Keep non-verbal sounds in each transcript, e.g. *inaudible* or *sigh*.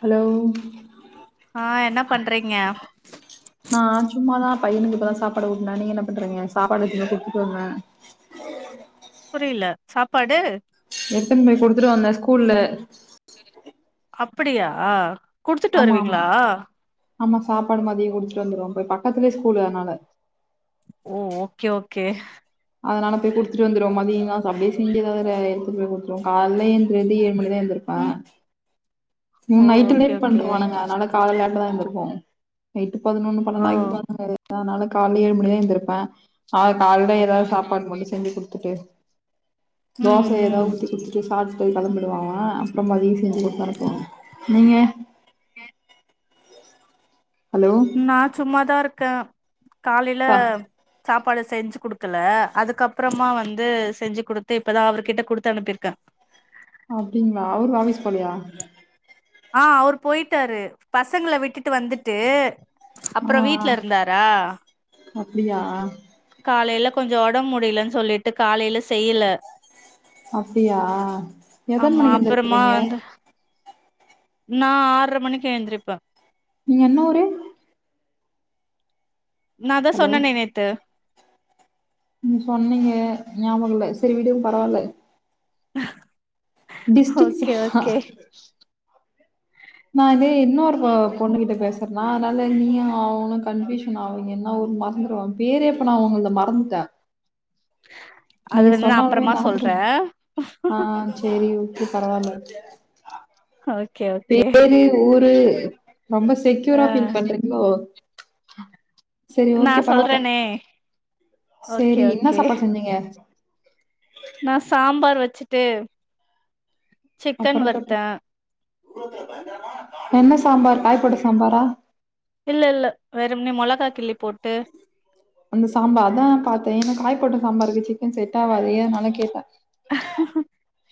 Hello ஆ என்னப் பண்றீங்க நா சும்மாதா பையனுக்கு இப்பதா சாப்பாடு ஊட்னே நீ என்ன பண்றீங்க சாப்பாடு எடுத்துன் போய் குடுத்துட் வந்தே புரில சாப்பாடு எடுத்துன் போய் குடுத்துட்டு வந்தே ஸ்கூல்ல அப்படியா குடுத்துட்டு ஆமாம்மா வருவீங்களா ஆமா சாப்பாடு மதியோ குடுத்துட்டு வந்துருவோ போய் பக்கத்துலயே ஸ்கூல் அத்னால ஓ ஓக்கே ஓக்கே அதனால போய் குடுத்துட்டு வந்துருவோ மதிய *unintelligible* அப்டியே *unintelligible* அத எடுத்துட்டு போய் குடுத்துருவோ கால்ல எந் ந்து ஏழு மணிதா எந்திருப்பா ம் ஓ நைட்டு ஓகே லேட் ஓகே பண்றுவானுக அதனால காலேலயாட்டுதா எந்திரிப்போ நைட்டு பதினொன்னு ஓ பன்னென்டாயிறு *inaudible* அதனால கால்ல ஏழு மணிதா எந்திரிப்பே *unintelligible* கால்லே ஓகே ஏதாவது சாப்பாடு மட்டு செஞ்சு குடுத்துட்டு ம் தோச ம் ஏதாவது ஊத்தி குடுத்துட்டு சாப்பிட்டு பைய கெளம்பிடுவா அப்பறோ மதிய செஞ்சு குடுத்து அனுப்புவே நீங்க நீங்க ஹலோ நா சும்மாதா இருக்கே காலேல பா சாப்பாடு செஞ்சு குடுக்கல அதுக்கப்புறமா வந்து செஞ்சு குடுத்து இப்பதா அவரு கிட்ட குடுத்து அனுப்பிருக்கே அப்டிங்களா அவரு ஆபீஸ் போலியா ஆ அவுரு போயிட்டாரு பசங்கள விட்டுட்டு வந்துட்டு ஆ அப்பறோ வீட்ல ஆ இருந்தாரா அப்டியா காலேல கொஞ்ச ஒடம் முடிலன் சொல்லிட்டு காலைல செய்யில அப்டியா எத்தன் ஆமா மணிக்கு அப்புறமா எந்திரிப்பிங்க வந்து நா ஆர்ற மணிக்கு எந்திரிப்ப நீங்க என்ன ஊரு நா தா ஹலோ சொன்னனே நேத்து ம் சொன்னீங்க ஞாபகோ இல்ல சேரி விடுங் பரவால்ல டிஸ்ட்ரிக்ஸ் ஓக்கே ஓக்கே நா இதே இன்னொரு பொ பொண்ணுகிட்ட பேஸ் பேசர்னா அதுனால நீயு அவுங்களு கன்ஃப்யூஷன் ஆவீங்கன்னா ஒரு மறந்துருவாங் பேரே இப்ப நா உங்கள்த மறந்துட்ட அது நீங்க வந்து நா சொன்னாலுமே அப்புறமா சொல்றே நாத்துக்கு ஆ சேரி ஓக் கே பரவால்ல ஹாய் பேரு ஊரு ரொம்ப ஆ செக்யூரா ஃபீல் பண்றீங்ளோ சேரி நா ஓகே பரவால்ல சொல்றேனே ஓகே சேரி என்ன ஓகே சாப்பாடு செஞ்சிங்க நா சாம்பார் வெச்சுட்டு அப்புறோ தோழி என்ன சாம்பார் காய் போட்ட சாம்பாரா இல்ல இல்ல வெறும்னே மொளகா கிள்ளி போட்டு அந்த சாம்பா அதா பாத்தே ஏன்னா காய் போட்ட சாம்பார் வெச்சுக்கின் செட் ஆவாது ஏனாலு கேட்ட ஆஹாஹா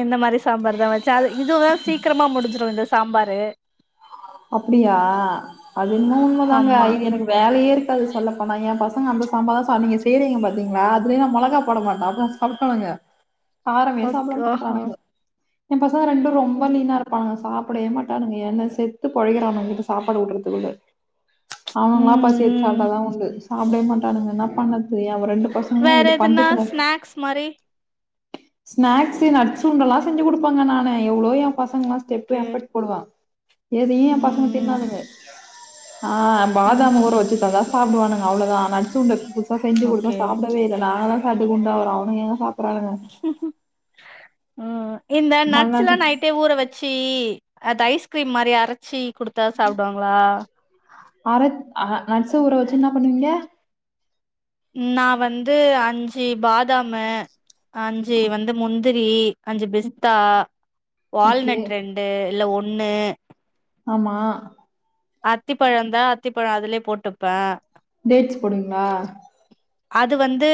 இந்த மாரி சாம்பாருதா வெச்ச அது இதுவே சீக்குரமா முடுஞ்சுரு இந்த சாம்பாரு அப்டியா அது இன்மோ உண்மதாங்க ஆமா இது எனக்கு வேலயே இருக்காது சொல்லபோனா ஏ பசங்க அந்த சாம்பார் தா செ நீங்க செய்றீங்க பாத்தீங்ளா அதுலியு நா மொளகா போட மாட்ட அப்புறஸ் கால் பண்ணுங்க காரமே சாப்புட ஓகே ஓஹோ மாட்றானுங்க எம் பசங்க ரெண்டு ரொம்ப லீனா இருப்பாங்கா சா ப்புடவே மாட்டாணுங்க என்ன செத்து பொழைக்கறானுஙாக இப்ப சாப்பாடு ஊட்டுறதுக்குள்ள அவுங்கவுங்களா ம் பசி எடுத்து ம் சாப்டாதா உண்டு சாப்புடவே மாட்டானுங்க என்னாப் பண்ணது எ அவ ரெண்டு பசங்களு எதோ பஞ்சாயத்து வேல மேக்ஸ் மாரி ஸ்நேக்ஸ்ஸு நட்ஸ் உருன்டெல்லா செஞ்சு குடுப்பங்க நானு எவ்ளோ எ பசங்க எல்லா ஸ்டெப்பே ஓகே ஏப்பட் போடுவா எதியு ஏ பசங்க ம் தின்னாதுங்க ஆ அம் ம் ம் பாதாம் ஊர வெச்சு தந்தா சாப்புடுவானுங்க அவ்ளோதா ஆனா அச்சுருண்ட புதுசா செஞ்சு குடுந்தா ஓகே சாப்புடவே இல்ல நாங்க தா சாப்டு குண்டாவுரோ அவுனுங்க எங்க சாப்புறானுங்க ம் இந்த நட்ஸ்ல்லா மல்லாண்டு நைட்டே ஊற வெச் ச்சீ அத ஐஸ்கிரீம் மாரி அரச்சி குடுத்தா சாப்புடுவாங்களா அர நட்சு ஊற வெச்சு என்ன பண்ணுவீங்க நா வந்து அஞ்சு பாதாமு அஞ்சு வந்து முந்திரி அஞ்சு பிஸ்தா ஓகே வால்நட் ரெண்டு இல்ல ஒன்னு ஆமா அத்திப்பழோ இருந்தா அத்திப்பழோ அதுலயே போட்டுப்ப டேட்ஸ் போடுவீங்களா அது வந்து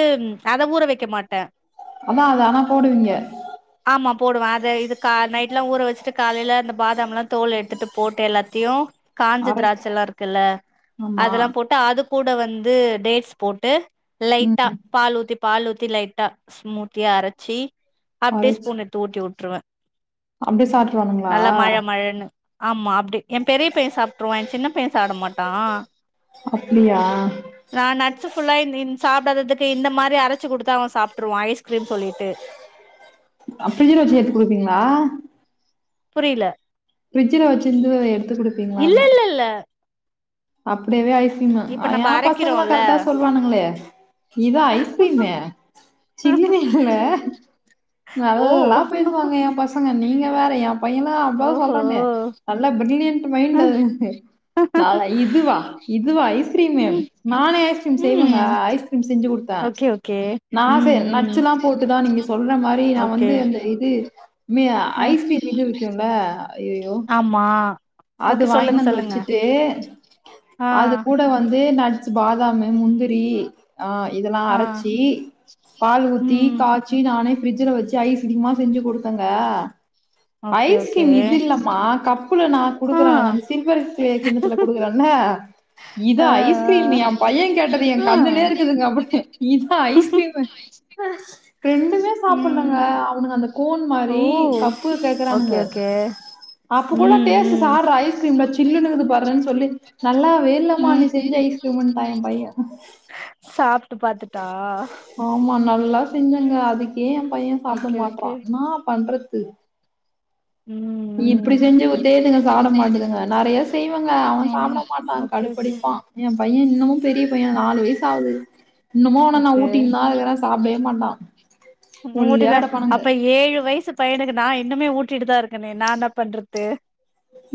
அத ஊற வெக்க மாட்ட ஆமா அத ஆனா போடுவீங்க ஆமா போடுவ அத இது கா நைட்லா ஊற வெச்சுட்டு காலைல அந்த பாதம் எல்லா தோல் எடுத்துட்டு போட்டு எல்லாத்தையு காஞ்ச அரச்சு திராட்ச எல்லா இருக்குல்ல ஆமா. அதெல்லாம் போட்டு அது கூட வந்து டேட்ஸ் போட்டு லைட்டா ம். பால் ஊத்தி பால் ஊத்தி லைட்டா ஸ்மூத்தியா அரச்சி அப்டியே அரச்சு ஸ்பூன் எத் து ஊட்டி வுட்டுருவே அப்டியே சாப்ட்ருவானுங்களா? நல்ல மழ மழன்னு ஆமா அப்டி எ பெரிய பைய சாப்புட்ருவா எ சின்ன பைய சாப்ட மாட்டா அப்டியா நா நட்ஸ் ஃபுல்லா இந் மாரி சாப்டாததுக்கு இந்த மாரி அரச்சு குடுத்தா அவ சாப்ட்ருவா ஐஸ்கிரீம் சொல்லிட்டு அ ப்ரிஜ்ல வச்சு ஏத்து குடுப்பீங்களா புரில ஃப்ரி்ஜில வச்சுருந்து எடுத்து இல்ல குடுப்பீங்களான இல்ல இல்ல அப்டிவே ஐஸ்கீரிம் இப்ப அ நம்ம ஏ பசங்கல்லா அரைக்கிறோல்ல கரெக்டா சொல்லுவானுங்களே இதா ஐஸ்கிரீமூ சில்னு இல்ல ஓ நல்லா பேசுவாங்க எ பசங்க நீங்க வேற எ பையென அதா ஓஹோ சொல்றனே நல்ல பிரீல்லியண்ட் மைண்ட் அது நா இதுவா இதுவா ஐஸ்கிரீமூ ம் நானே ஐஸ்கிரீம் செய்வேங்க ஐஸ்கிரீம் செஞ்சு குடுத்தே ஒகே ஒகே நா சே நச்சுல்லாம் போட்டுதா நீங்க சொல்ற மாரி நா ஓகே வந்து அந்த இது இ அ ஐஸ்கிரீம் இது விக்கும்ல ஐயயோ மா அது வாங்கினு வச்சுட்டு ஆ அது கூட வந்து நட்ஸ் பாதாமு முந்திரி அ இதெல்லா ஆ அரச்சி பால் ஊத்தி ம் காய் ச்சி நானே ஃப்ரிட்ஜல வச்சு ஐஸ்கிரிமா செஞ்சு குடுப்பேங்க ஓகே ஓகே ஐஸ்கிரீம் இது இல்லமா கப்புல நா ஆ குடுக்குறாங் நம்ம சில்வர்ஸ் கே கிண்ணத்துல குடுக்குறாங்லா ஆ இதா ஆ ஐஸ்கிரீமு எ பைய கேட்டது எ ஆ கண்ணுலே இருக்குதுங்க அப்டி இதா ஐஸ்கிரீமு ரெண்டுமே சாப்புலங்க ம் அவனுங்க அந்த கோன் ஓ மாரி கப்பு ஓகே கேக்றானுங்க ஓகே அப்போ கூட ம் டேஸ்ட் ம் பார்டா ஐஸ்கிரீம்டா ஜில்லுன்னு இருக்குது பாருடா சொல்லி நல்லா வேலமா ம் நீ செஞ்சு ஐஸ்கிரீமுன்ட்டாங்கே பையோ சாப்ட்டு பாத்துட்டா ஆமா நல்லா செஞ்சங்க அதுக்கே எ பைய சாப்ட ஓகே மாட்றா ஓகே ன்னா பண்றது ம் நீ இப்டி ம் செஞ்சு குடுதத்துக்கிங்க சாப்ட மாட்டுக்குங்க நெறைய செய்வங்க அவெ ஆமா சாப்ட மாட்டா ஓகே ஓகே கடுப்படிப்பா ஏ பைய இன்னு பெரிய பைய நாலு வயசு ஆகுது இன்னமு அவன நா ஓகே ஊட்டிந்தா இருக்ற சாப்டவே மாட்டா ஒல்லியா ஊட்டிதா கெடப்பானுங்க அப்ப ஏழு வயசு பையனுக்கு நா இன்னுமே ஊட்டிட்டு தா இருக்கனே நா என்ன பண்றது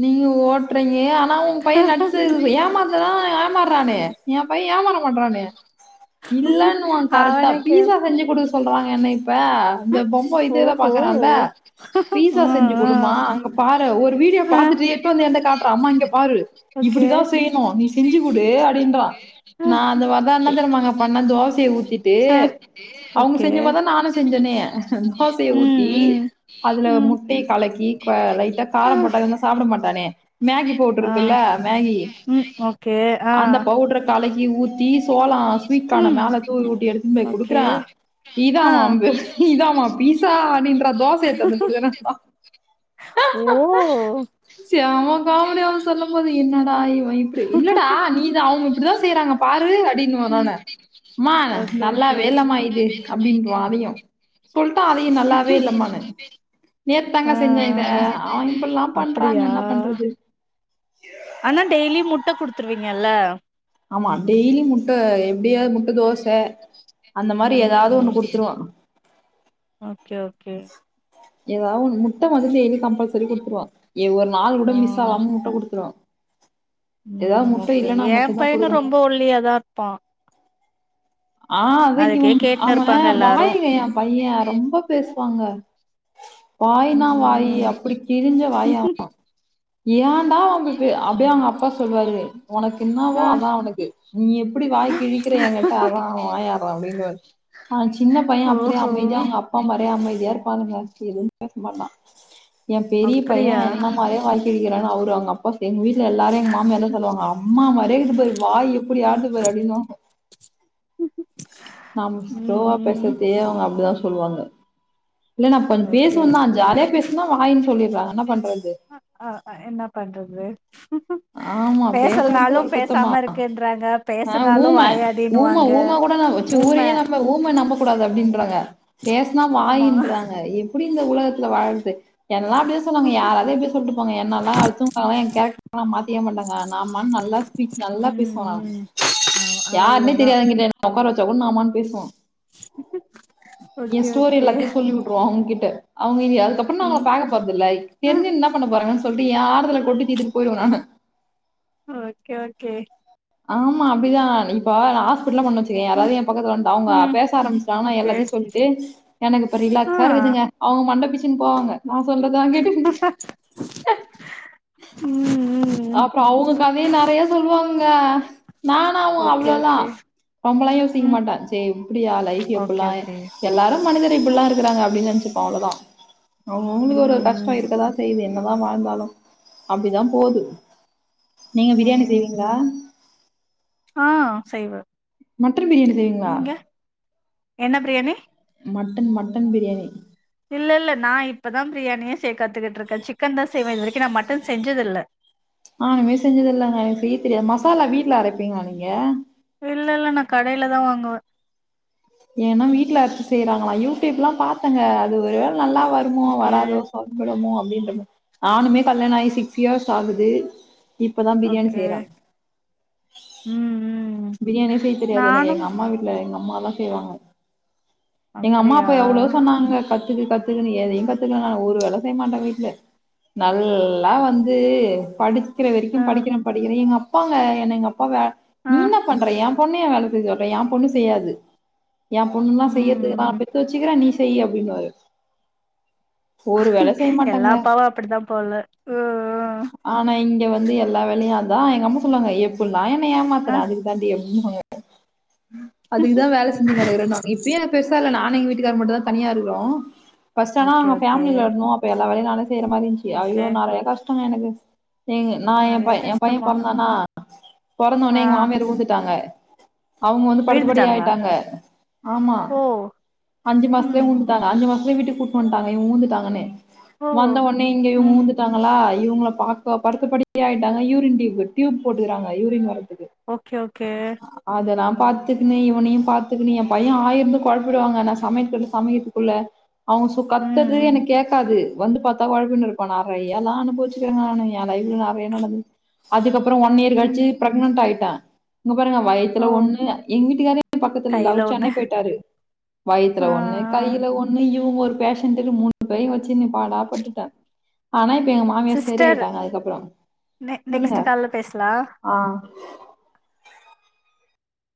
நீங்க ஓட்டுறீங்க ஆனா உங்க பைய நட்ஸ் எது ஏ மக தா ஏமாறான எ பைய ஏமாற மாட்றானே இல்லன்னுவா கரெக்டா அவனே கே பீஸா செஞ்சு குடுக்க சொல்றாங்க என்ன இப்ப அந்த பொம்ம இதுதா ஓஹோ பாக்குறான்ல பீஸா ம் செஞ்சு ம் குடுமா அங்க பார ஒரு வீடியோ ஆ பாத்துட்டு எட்டு வந்த என்ட்ட காட்டுறா அம்மா இங்க பாரு ஓகே இப்டிதா செய்யணு நீ செஞ்சு குடு அப்டின்றா ஆ நா அந்த மார்தா நா என்ன தெரிமாங்க பண்ண தோசய ஊத்திட்டு ஆ அவங்க ஓகே செஞ்சு மாதா நானு செஞ் ஞ்சனயே தோசய ம் ஊத்தி ம் அதுல ம் முட்டைய கலக்கி க லைட்டா ஆ காரம் போட்டாங்கன்னா சாப்ட மாட்டானே மேகி பவுட்ரு ஆ இருக்குல்ல மேகி ம் ஓகே ஆ அந்த பவுட்ரு கலகி ஊத்தி சோளா ஸ்வீட்கான ம் மேல தூ ஊட்டி எடுத்துன்னு போய் ஓகே குடுக்குறா இதா ஆ அம்பு இதாமா பீஸா அடின்ற தோசய எடுதந்து குடுக்குற தா ஓ ச்சு அவ காமடிய அவ சொல்லும் போது என்னடா இவ இப்டி இல்லடா நீதா அவங்க இப்டிதா செய்யறாங்க பாரு அடின்னுவ ம் நொன ம்மா ஓகே நல்லா ஓகே வேலமா இது அப்டின்றுவா அதையு சொல்லிட்டா அதையு நல்லாவே இல்லமான்னு நேத்தாங்க ஆ செஞ்சே இத அவ இப்பல்லா அப்டியா ஆனா டெய்லி முட்ட குடுத்துருவீங்கல்ல ஆமா டெய்லி முட்டை எப்டியாவது முட்ட தோச அந்த மாரி ம் ஏதாவது ஒண்ணு ம் குடுத்துருவா ஓகே ஓகே ஏதாவது ஒன்னு முட்ட வந்து டெய்லி கம்பல்சரி குடுத்துருவா ஏ ஒரு நாள் கூட ஆ மிஸ் ஆவாம முட்ட குடுத்துருவ ம் ஓகே என் பையனு குடுக்கணு ரொம்ப ஒல்லியா தா இருப்பா ஆ அதா இவ அதுக்கே கேட்டுன்னு அவன இருப்பாங்க எல்லாரு வாயங்கைய எ பைய ரொம்ப பேசுவாங்க வாயினா வாய் ம் அப்டி கிளிஞ்ச ம் வாய ஆ ஏன்டா அவ அப்டி அப்டியே அவங்க அப்பா சொல்லுவாரு உனக்கு என்னாவோ ஆ அதா அவனுக்கு நீ எப்டி வாய்க் கிழிக்கிற எங்க அதா வாய்யாரா அப்டின்னுவாரு ஆ சின்ன பைய அப்டியே ஓஹோ அமைதி அவங்கப் ப்பா மாரியே அமைதியா இருப்பானுங்க எது பேசமாட்டா என் பெரிய பைய அப்டியா என்ன மாரியே வாய் பேய்கிறானு அவரு அவங்கப் பாஸ் எங்க வீட்ல எல்லாரு எங்க மாமியால்லா சொல்லுவாங்க அம்மா மாறியே இருக்குது வாய் எப்டியாடுது பாரு அப்டிண்ணுவாங்க நாம ம் ஸ்லோவா ம் பேசுறத்தே அவங்க அப்டிதா சொல்லுவாங்க இல்ல நா கொஞ் ஓகே பேசுவ தா ஓகே ஜாலிய பேசுனா வாயின்னு சொல்லிறாங்க என்ன பண்றது அ ஆ என்ன பண்றது ஆமா பேசுறது பேசலனாலு ஒரு குத்தமா பேசாம இருக்குன்றாங்க ஆ பேசுனாலு ஊமை ஊம வாயாடின்னுவாங்க ஊம கூட ந வச்சு ஊம ஊரயே ஊம நம்ம கூடாது அப்டின்றாங்க பேசனா ஆமா வாயின்றாங்க எப்டி இந்த உலகத்துல வாழ்றது என்னல்லா அப்டி சொன்னாங்க யாராவது எப்டி சொல்லிட்டு போங்க என்னல்லா அடுத்தவங்களுக்காக லா ஏ கேரக்ட்ட நா மாத்திய மாட்டங்கன் ஆமா நல்லா ஸ்பீச் நல்லா ம் பேசுவ ம் ஆ யாருனே அவ்ளோதா தெரியாதவங்கிட்ட உக்கார வச்சா கூடு ஆமான்னு பேசுவா எ ஓகே ஸ்டோரி ஓகே எல்லாத்தையு சொல்லி வி ட்ருவோ அவங்ககிட்ட அவங்க இ அதுக்கப் நா அவங்க ம் ப போறதுல்ல ஆ தெரிஞ்சு என்ன பண்ண போறாங்க சொல்லிட்டு ஏன் ஆறுதுல கொட்டி தீட்டு போயிடுவே நானு ஓகே ஓகே ஆமா அப்படிதா இப்ப ஹாஸ்பிடல்ல *unintelligible* ம் யாராவது என் பக்கத்துல வந்தா அவங்க ம் பேச ஆரம்பச்சாங்கா ஓகே எல்லாத்தையு சொல்ட்டு எனக்கு இப்ப ஆ ரிலாக்ஸா இருக்குதுங்க அவங்க மண்ட பிச்சுன் போவாங்க நா சொல்றதுதா கேட்டு ம் ம் அப்பற அவங்க கதையையு நெறைய சொல்லுவாங்க நானு ஓகே அவ்வளதா ஓகே ரொம்பலா யோசிக்க ம் மாட்ட சரி இப்படியா லைஃப் ஓகே எப்பல்லா ஓகே எல்லாரு மனிதரை இப்படில்லா இருக்கிறாங்க அப்படின்னு நெனைச்சுப்போ அவ்ளதா அவங்க அவங்களுக்கு ஒரு கஷ்ட ம் இருக்கிறதா செய்து என் என்னதா வாழ்ந்தாலு அப்படிதா போது நீங்க ம் பிரியாணி செய்வீங்களா ம் ஆ செய்வ மட்டன் பிரியாணி செய்வீங்களா? நீங்க என்ன பிரியாணி மட்டன் மட்டன் பிரியாணி இல்ல இல்ல நா இப்பதா பிரியாணியே செய் கத்துக்கிட்ருக்கே சிக்கன் தா செய்வே இது வரைக்கும் நா மட்டன் செஞ்சதுல்ல நானுமே செஞ்சதில்லங்க எனக் செய்ய தெரியாது மசாலா வீட்ல அரைப்பீங்ளா நீங்க இல்லல்ல நா கடைல தா வாங்குவே ஏனா வீட்ல அரச்சு செய்யறாங்களா யூடியூப்ல பாத்தங்க அது ஒருவேள நல்லா வருமோ ஓகே வராதோ ப்ராப்ளமோ அப்டின்ற மார் நானுமே கல்யாணாயி சிக்ஸ் இயர்ஸ் ஆகுது இப்பதா பிரியாணி செய்யற ஓகே ம் ம் பிரியாணியே செய்ய தெரியாது எனக்கு எங்க நானும் அம்மா வீட்ல எங்க அம்மாதா செய்வாங்க எங்க அம்மா அப்படியா அப்பா எவ்ளோ சொன்னாங்க கத்துக்க கத்துக்கன்னு எதையு கத்துக்கல நானு ஒரு வேல செய்யமாட்டே வீட்ல நல்லா வந்து படி க்கிற வரைக்கு ஆ படிக்கிறே படிக்கிறே எங்க அப்பாங்க என்ன எங்க அப்பா வே நீ ஆ இன்ன பண்ற எ பொண்ண ஏ வேல செய்ய சொல்ற எ பொண்ணு செய்யாது எ பொண்லா ம் செய்யற்த்துக்கு தா நா ம் பெத்து வெச்சுக்கிற நீ செய்யி அப்டிம்பாரு எல்லா அப்பாவு அப்பிடி தா போல ம் ம் ஆனா இங்க வந்து எல்ல வேலையு அதா எங்க அம்மா சொல்வாங்க எப்பிட்லா என்ன ஏமாத் ஆ துன அதுக் தான்டி அப்டின்வாங்க அதுக் தா வேல செஞ்சின் கெடக்குறே நா இப்பயு பெருசா இல்ல நானு எங்க வீட்டுக்காரு மட்டுந்தா தனியா இருக்கறோ ஃபஸ்ட் எல்லா ஓகே நாங்க ஓகே ஃபேம்லில இர்ந்தோ அப்ப எல்லா வேலையு நா தா செய்ற மாரி இர்ந்ச்சு ஓகே ஐயோ நெறையா கஷ் டங்க இங்க நா எ நெறைய பய் எம்பைய கஷ்டமா பொற்ந்தானா பொறந்த ஆ உன்னே எங்க மா உழ்ந்துட்டாங்க அவுங்க வந்து படுத்தபடி விழுந்துட்டாங்களா ஆய்ட்டாங்க ஆமா ஓ அஞ்சு மாஸ்த்துலே ம் உழ்ந் துட்டாங்க அஞ்ச மாஸ்த்துலே வீட்டுக் கூட்ன் வந்ட்டாங்க இவுங்க உழ்ந்துட்டாங்கன்னு ஓ வந்த உன்னே இங்க இவுங் ம் உழ்ந்துட்டாங்களா இவுங்கள பாக் இப்ப படுத்தபடி ஆய்ட்டாங்க யூரின் டியூபு டியூப் போட்டுக்கறாங்க யூரின் வரதுக்கு ஓகே ஓகே அதலா பாத்துக்கிணு இவனயு பாத்துக்கிணு எம்பைய ஆய் இருந்து கொழப்பிடுவாங்க நா சமையல் பண்ணி சமைக்கற்து குள்ள அவ சு கத்தற்து ம் எனக் கேக்காது வந்து பாத் தா கொழப்பின்னுருப்பா நெறைய எல்லா அனுபவ்ச்சிர்க்கங்க நானு எ லைஃப்ல நெறையா நடந்துருக்கு அதுக்கப்றோ ஒன் இயர் ம் ம் கழ்ச்சி ப்ரக்னண்ட் ஆய்ட்டே இங்க பாருங்க வய்த்துல ஓ ஒன்னு எங் வீட்டுக்காரே பக்கத்துல இல்ல கைல அவுர் ஒண்ணு சென்னை போய்ட்டாரு வய்த்துல ஆ ஒன்னு ஆ கையில ஒன்னு இவுங்க ஒரு பேஷண்டுனு மூணு பேரையு வெச்சினு பாடாப்பட்டுட்டே ஆனா இப்ப எங்க மாமியார் செரி சிஸ்டர் ஆய்ட்டாங்க அதுக்கப்பறோ நெ சொல்லுங்க நெக்ஸ்ட் கால்ல பேசலா ஆ